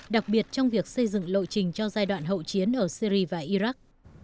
đặc biệt trong việc xây dựng lộ trình cho giai đoạn hậu chiến ở syri và iraq